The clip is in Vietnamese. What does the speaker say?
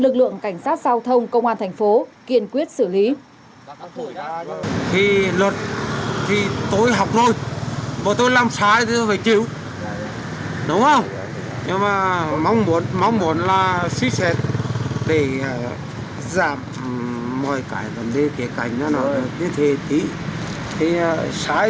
lực lượng cảnh sát giao thông công an tp kiên quyết xử lý